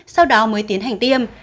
sau đó mới tiến hành tiêm